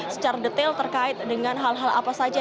secara detail terkait dengan hal hal apa saja